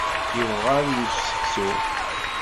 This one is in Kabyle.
Yebɣa ad yečč seksu.